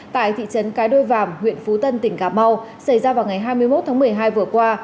tại thị trấn cái đôi vàm huyện phú tân tỉnh cà mau xảy ra vào ngày hai mươi một tháng một mươi hai vừa qua